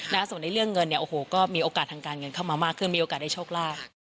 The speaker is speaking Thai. ส่วนในเรื่องเงินเนี่ยโอ้โหก็มีโอกาสทางการเงินเข้ามามากขึ้นมีโอกาสได้โชคลาภ